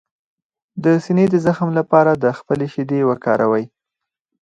د سینې د زخم لپاره د خپلې شیدې وکاروئ